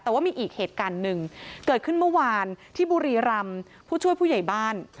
แต่ว่ามีอีกเหตุการณ์หนึ่งเกิดขึ้นเมื่อวานที่บุรีรำผู้ช่วยผู้ใหญ่บ้าน